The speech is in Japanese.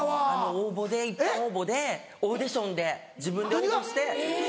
応募で一般応募でオーディションで自分で応募して。